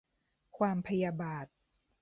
ความพยาบาท